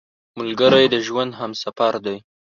ملګری د ژوند همسفر دی